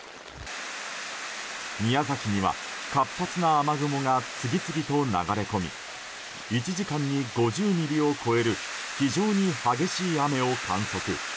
宮崎には活発な雨雲が次々と流れ込み１時間に５０ミリを超える非常に激しい雨を観測。